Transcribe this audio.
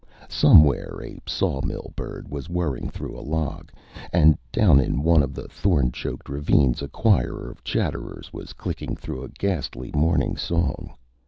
Somewhere a sawmill bird was whirring through a log, and down in one of the thorn choked ravines, a choir of chatterers was clicking through a ghastly morning song.